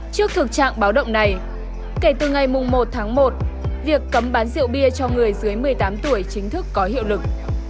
trước thực trạng báo động này kể từ ngày một tháng một việc cấm bán rượu bia cho người dưới một mươi tám tuổi chính thức có hiệu lực